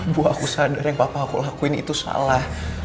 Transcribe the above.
bu aku sadar yang papa aku lakuin itu salah